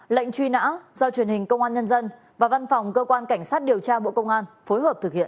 lệnh truy nã do truyền hình công an nhân dân và văn phòng cơ quan cảnh sát điều tra bộ công an phối hợp thực hiện